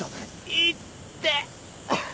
いって！